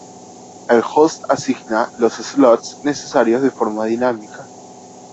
El host asigna los slots necesarios de forma dinámica.